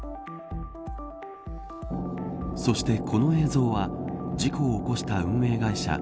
そして、この映像は事故を起こした運営会社